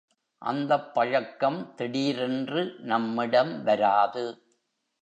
அந்தப் பழக்கம் திடீரென்று நம்மிடம் வராது.